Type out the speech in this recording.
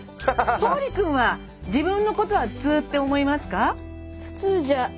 橙利くんは自分のことは普通って思いますか？